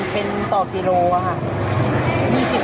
เป็นต่อกิโลค่ะ